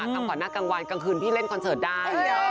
ทำขวัญหน้ากลางวันกลางคืนพี่เล่นคอนเสิร์ตได้